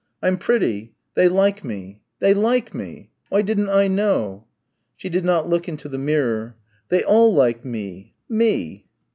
"I'm pretty they like me they like me. Why didn't I know?" She did not look into the mirror. "They all like me, me."